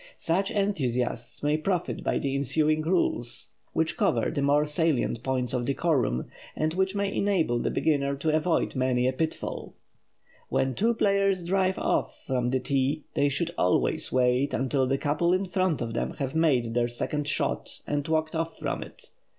Such enthusiasts may profit by the ensuing rules which cover the more salient points of decorum, and which may enable the beginner to avoid many a pitfall: When two players "drive off" from the tee they should always wait until the couple in front of them have made their second shot and walked off from it.